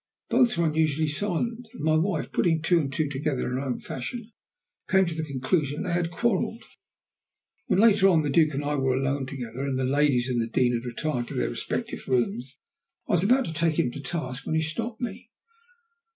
Both were unusually silent, and my wife, putting two and two together in her own fashion, came to the conclusion that they had quarrelled. When, later on, the Duke and I were alone together, and the ladies and the Dean had retired to their respective rooms, I was about to take him to task when he stopped me.